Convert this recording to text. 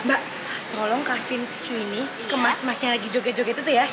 mbak tolong kasihin tisu ini ke mas mas yang lagi joget joget itu ya